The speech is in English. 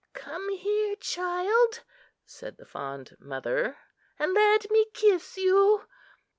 Come here, child," said the fond mother, "and let me kiss you."